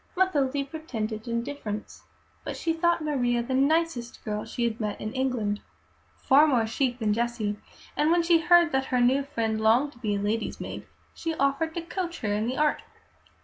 Mathilde pretended indifference, but she thought Maria the nicest girl she had met in England, far more chic than Jessie; and when she heard that her new friend longed to be a lady's maid, she offered to coach her in the art.